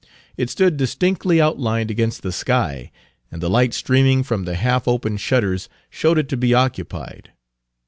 It stood distinctly outlined against the sky, and the light streaming from the half opened shutters showed it to be occupied.